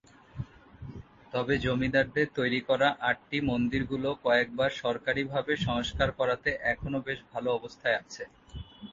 তবে জমিদারদের তৈরি করা আটটি মন্দিরগুলো কয়েকবার সরকারীভাবে সংস্কার করাতে এখনো বেশ ভালো অবস্থায় আছে।